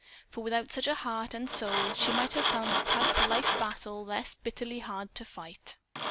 For without such a heart and soul, she might have found the tough life battle less bitterly hard to fight.